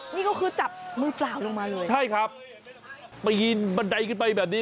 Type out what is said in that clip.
นี่ก็คือจับมือเปล่าลงมาเลยใช่ครับปีนบันไดขึ้นไปแบบนี้